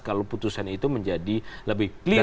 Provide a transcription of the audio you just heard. kalau putusan itu menjadi lebih clear